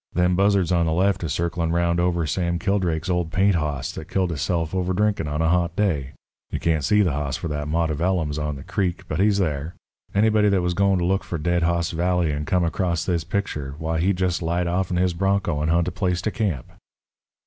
Them buzzards on the left is circlin' 'round over Sam Kildrake's old paint hoss that killed hisself over drinkin' on a hot day. You can't see the hoss for that mott of ellums on the creek, but he's thar. Anybody that was goin' to look for Dead Hoss Valley and come across this picture, why, he'd just light off'n his bronco and hunt a place to camp."